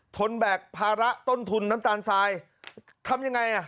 นแบกภาระต้นทุนน้ำตาลทรายทำยังไงอ่ะ